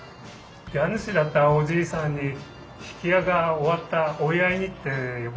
家主だったおじいさんに曳家が終わったお祝いにって呼ばれたんですよ。